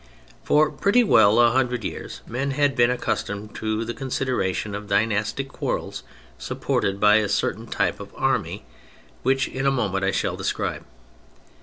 For pretty well a hundred years men had been accustomed to the consideration of dynastic quarrels supported by a certain type of army, which in a moment I shall describe.